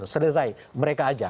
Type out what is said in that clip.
selesai mereka aja